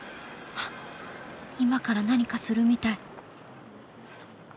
あっ今から何かするみたい。